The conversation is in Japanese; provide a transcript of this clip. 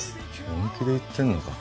本気で言ってんのか？